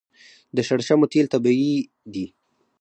د شړشمو تیل طبیعي دي.